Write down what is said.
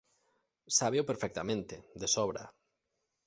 Sábeo perfectamente, de sobra.